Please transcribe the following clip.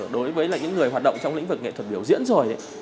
đối với những người hoạt động trong lĩnh vực nghệ thuật biểu diễn rồi